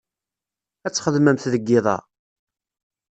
Ad txedmemt deg iḍ-a?